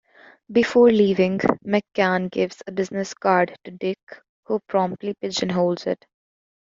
Before leaving, McCann gives a business card to Dick, who promptly pigeonholes it.